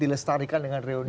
dilestarikan dengan reuni ini